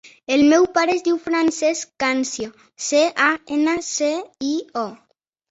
El meu pare es diu Francesc Cancio: ce, a, ena, ce, i, o.